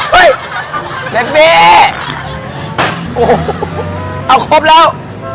เฮ้ยแบบนี้โอ้โหเอาครบแล้ว